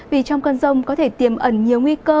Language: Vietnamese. vì trong cơn rông có thể tiềm ẩn nhiều nguy cơ